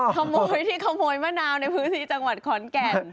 ขโมยที่ขโมยมะนาวในพื้นที่จังหวัดขอนแก่น